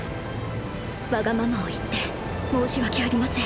わがままを言って申し訳ありません。